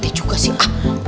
pak rt juga sih